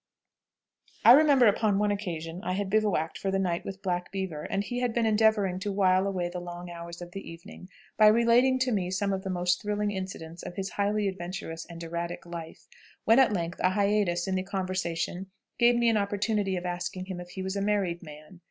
I remember, upon one occasion, I had bivouacked for the night with Black Beaver, and he had been endeavoring to while away the long hours of the evening by relating to me some of the most thrilling incidents of his highly adventurous and erratic life, when at length a hiatus in the conversation gave me an opportunity of asking him if he was a married man.